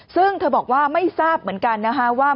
ซึ่งเธอบอกว่าไม่ทราบเหมือนกันนะคะว่า